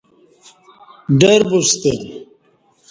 ڈربوستہ